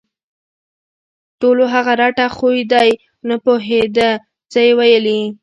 ټولو هغه رټه خو دی نه پوهېده څه یې ویلي